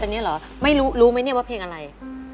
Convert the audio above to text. อันนี้เหรอไม่รู้รู้ไหมเนี่ยว่าเพลงอะไร